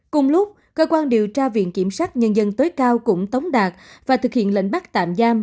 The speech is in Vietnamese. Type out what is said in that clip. cùng lúc cơ quan điều tra viện kiểm sát nhân dân tối cao cũng tống đạt và thực hiện lệnh bắt tạm giam